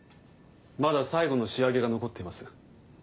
まだ最後の仕上げが残っています。